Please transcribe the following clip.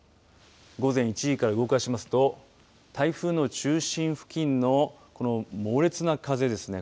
午前１時から動かしますと台風の中心付近のこの猛烈な風ですね。